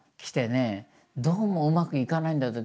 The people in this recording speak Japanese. でどうもうまくいかないんだって。